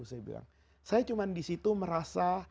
saya cuma disitu merasa